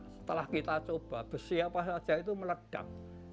setelah kita coba besi apa saja itu meledak